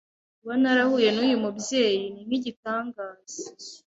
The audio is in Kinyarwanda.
Kuba narahuye n’uyu mubyeyi ni nk’igitangaza.